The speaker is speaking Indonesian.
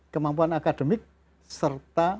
kemampuan akademik serta